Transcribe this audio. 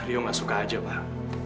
rio gak suka aja pak